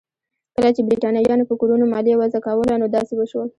کله چې برېټانویانو په کورونو مالیه وضع کوله نو داسې وشول.